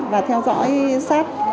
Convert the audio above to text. và theo dõi sát